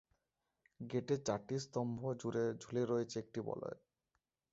গেটের চারটি স্তম্ভ জুড়ে ঝুলে রয়েছে একটি বলয়।